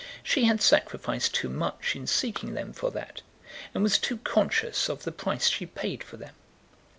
She had sacrificed too much in seeking them for that, and was too conscious of the price she paid for them.